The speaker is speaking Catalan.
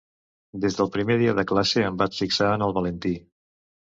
Des del primer dia de classe em vaig fixar en el Valentí.